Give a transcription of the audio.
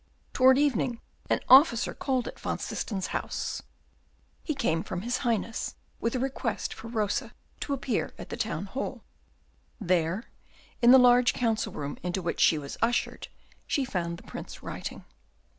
Toward evening, an officer called at Van Systen's house. He came from his Highness, with a request for Rosa to appear at the Town Hall. There, in the large Council Room into which she was ushered, she found the Prince writing.